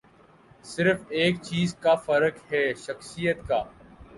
صرف ایک چیز کا فرق ہے، شخصیت کا۔